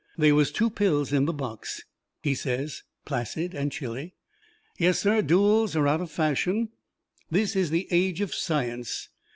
They was two pills in the box. He says, placid and chilly: "Yes, sir, duels are out of fashion. This is the age of science.